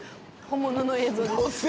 本物の映像です